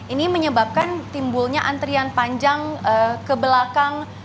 ini menyebabkan timbulnya antrian panjang ke belakang